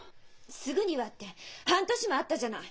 「すぐには」って半年もあったじゃない！